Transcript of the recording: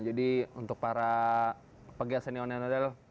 jadi untuk para pegawai seni ondel ondel